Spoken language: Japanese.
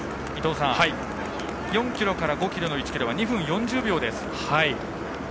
４ｋｍから５ｋｍの１ｋｍは２分４０秒です。